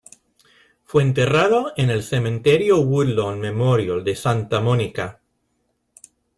Fue enterrado en el Cementerio Woodlawn Memorial de Santa Mónica.